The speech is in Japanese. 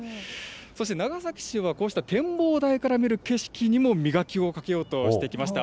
そして長崎市はこうした展望台から見る景色にも磨きをかけようとしてきました。